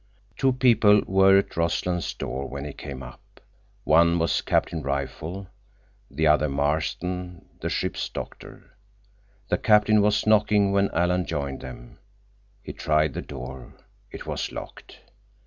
Two people were at Rossland's door when he came up. One was Captain Rifle, the other Marston, the ship's doctor. The captain was knocking when Alan joined them. He tried the door. It was locked.